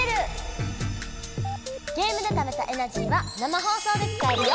ゲームでためたエナジーは生放送で使えるよ！